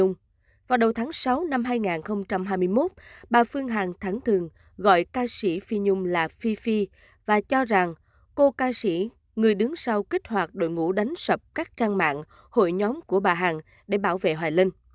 đầu tháng sáu năm hai nghìn hai mươi một bà phương hằng thắng thường gọi ca sĩ phi nhung là phi phi và cho rằng cô ca sĩ người đứng sau kích hoạt đội ngũ đánh sập các trang mạng hội nhóm của bà hằng để bảo vệ hoài linh